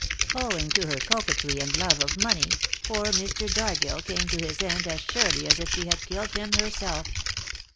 Owing to her coquetry and love of money, poor Mr. Dargill came to his end as surely as if she had killed him herself."